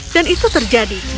dan itu terjadi